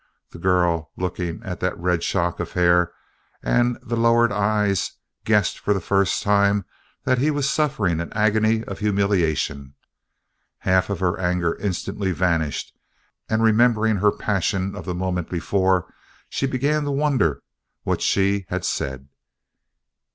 The girl, looking at that red shock of hair and the lowered eyes, guessed for the first time that he was suffering an agony of humiliation. Half of her anger instantly vanished and remembering her passion of the moment before, she began to wonder what she had said.